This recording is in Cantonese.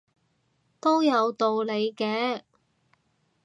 都有道理嘅